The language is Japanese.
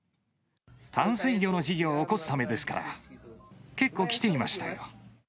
淡水魚の事業を起こすためですから、結構、来ていましたよ。